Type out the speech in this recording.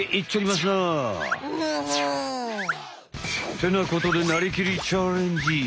ってなことで「なりきり！チャレンジ！」。